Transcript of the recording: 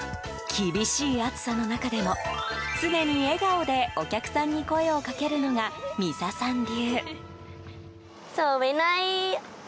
厳しい暑さの中でも常に笑顔でお客さんに声をかけるのが、ミサさん流。